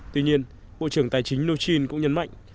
tuy nhiên bộ trưởng tài chính muchin cũng nhấn mạnh